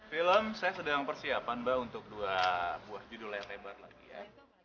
film saya sedang persiapan mbak untuk dua buah judul layar lebar lagi ya